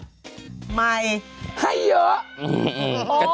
สวัสดีค่ะข่าวใส่ไข่สด